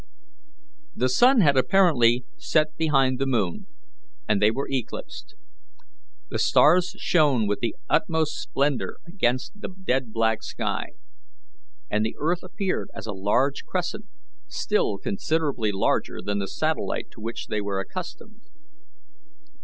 The sun had apparently set behind the moon, and they were eclipsed. The stars shone with the utmost splendour against the dead black sky, and the earth appeared as a large crescent, still considerably larger than the satellite to which they were accustomed.